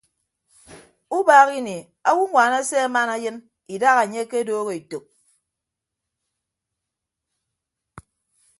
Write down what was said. Ubaak ini awonwaan ase aman ayịn idaha anye akedooho etәk.